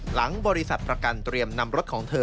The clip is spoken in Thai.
หลังบริษัทประกันเตรียมนำรถของเธอ